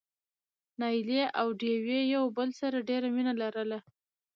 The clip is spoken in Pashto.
نايلې او ډوېوې يو له بل سره ډېره مينه لرله.